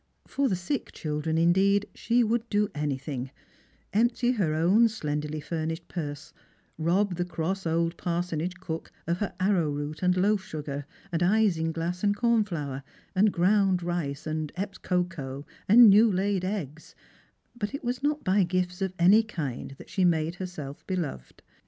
For the sick children, indeed, she would do anything — empty her own slenderly furnished purse, rob the cross old parsonage cook of her arrow root, and loaf sugar, and isinglass, and cornflour, and ground rice, and Epps's cocoa, and new laid eggs ; but it was not by gifts of any kind that she made herself beloved.